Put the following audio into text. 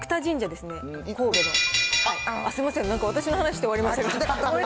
すみません、なんか私の話して終わりました。